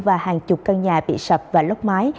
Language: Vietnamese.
và hàng chục căn nhà bị sập và lốc xoáy